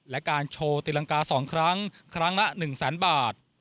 และการโชว์ตีรังกา๒ครั้งครั้งละ๑แสนบาท